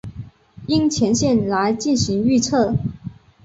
樱前线来进行预测。